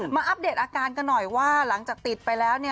อัปเดตอาการกันหน่อยว่าหลังจากติดไปแล้ว